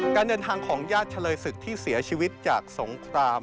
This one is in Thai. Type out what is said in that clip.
การเดินทางของญาติเฉลยศึกที่เสียชีวิตจากสงคราม